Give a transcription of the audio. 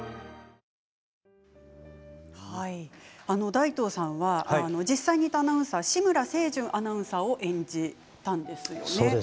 大東さんは実際にいたアナウンサー志村正順アナウンサーを演じたんですよね。